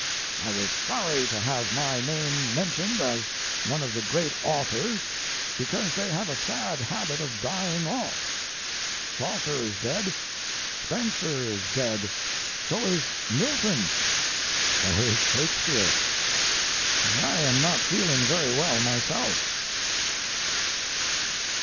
I was sorry to have my name mentioned as one of the great authors, because they have a sad habit of dying off. Chaucer is dead, Spencer is dead, so is Milton, so is Shakespeare, and I am not feeling very well myself.